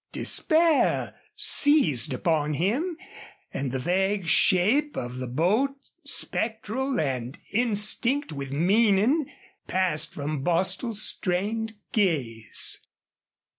Despair seized upon him. And the vague shape of the boat, spectral and instinct with meaning, passed from Bostil's strained gaze.